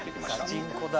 ガチンコだ。